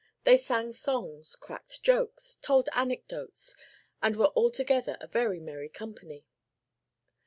They sang songs, cracked jokes, told anecdotes, and were altogether a very merry company.